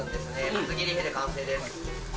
ぶつ切りヘレ完成です。